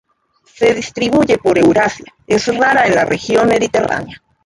Se distribuye por Eurasia; es rara en la Región mediterránea.